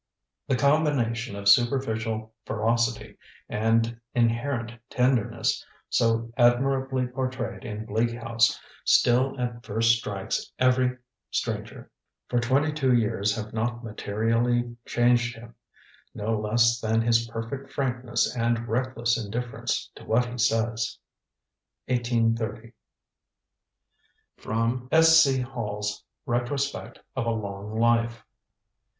The combination of superficial ferocity and inherent tenderness, so admirably portrayed in Bleak House, still at first strikes every stranger, for twenty two years have not materially changed him, no less than his perfect frankness and reckless indifference to what he says." 1830. [Sidenote: S. C. Hall's Retrospect of a Long Life.